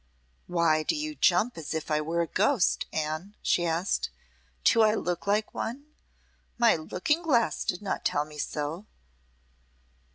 "Why do you jump as if I were a ghost, Anne?" she asked. "Do I look like one? My looking glass did not tell me so."